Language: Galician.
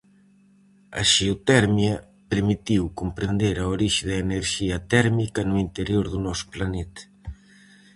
A xeotermia permitiu comprender a orixe da enerxía térmica no interior do noso planeta.